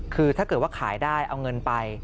คือถ้าเกิดว่าขายได้เอาเงินไป